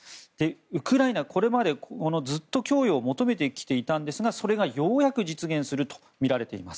ウクライナはこれまでずっと供与を求めてきていたんですがそれがようやく実現するとみられています。